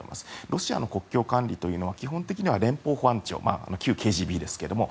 ロシアの国境管理は基本的には連邦保安庁旧ＫＧＢですけれども。